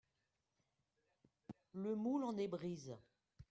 Le moule en est brise